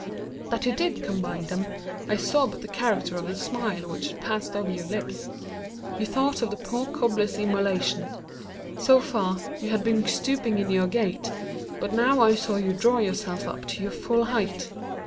That you did combine them I saw by the character of the smile which passed over your lips. You thought of the poor cobbler's immolation. So far, you had been stooping in your gait; but now I saw you draw yourself up to your full height.